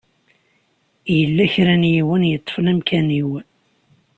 Yella kra n yiwen i yeṭṭfen amkan-iw.